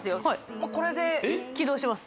もうこれで起動します